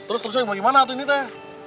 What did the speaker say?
terus terusnya bagaimana tuh ini teh